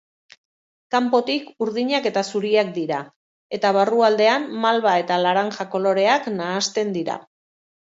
Kanpotik urdinak eta zuriak dira eta barrualdean malba eta laranja koloreak nahasten dira.